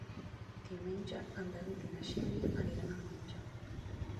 Diumenge en David i na Xènia aniran al metge.